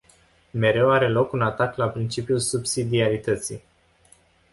Mereu are loc un atac la principiul subsidiarității.